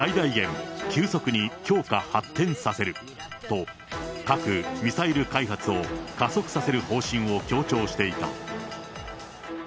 保有する核武力を、最大限、急速に強化、発展させると、核・ミサイル開発を加速させる方針を強調していた。